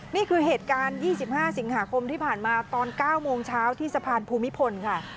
นี่คือเหตุการณ์๒๕สิงหาคมที่ผ่านมาตอน๙โมงเช้าที่สะพานภูมิพลค่ะ